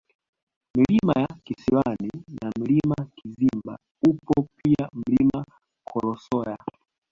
Milima ya Kisiwani na Mlima Kizimba upo pia Mlima Kolosoya